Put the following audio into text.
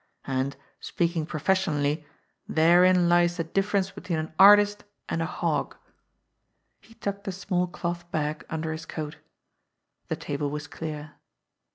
And, speaking professionally, therein lies the differ ence between an artist and a hog!" He tucked the small cloth bag under his coat. The table was clear.